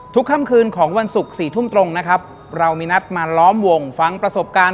ค่ำคืนของวันศุกร์๔ทุ่มตรงนะครับเรามีนัดมาล้อมวงฟังประสบการณ์